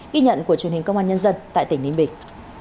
ghi nhận của truyền hình công an nhân dân tại tỉnh ninh bình